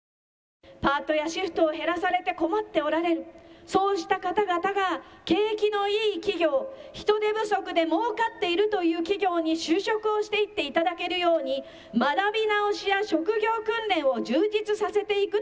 パートやシフトを減らされて困っておられる、そうした方々が、景気のいい企業、人手不足でもうかっているという企業に就職をしていっていただけるように学び直しや職業訓練を充実させていく。